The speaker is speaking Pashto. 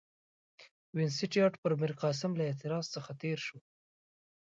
وینسیټیارټ پر میرقاسم له اعتراض څخه تېر شو.